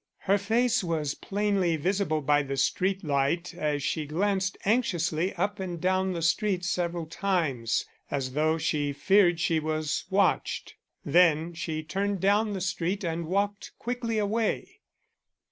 Her face was plainly visible by the street light as she glanced anxiously up and down the street several times, as though she feared she was watched. Then she turned down the street and walked quickly away.